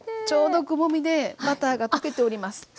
ちょうどくぼみでバターが溶けております。